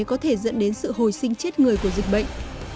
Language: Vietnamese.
có thể dẫn đến sự hồi sinh chết người của dịch bệnh